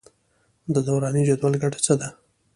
د دوراني جدول ګټه څه ده.